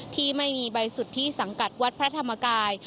ที่ไม่มีใบสุทธิสังกัดวัดพระธรรมกาย